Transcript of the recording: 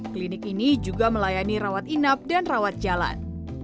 klinik ini juga melayani rawat inap dan rawat jalan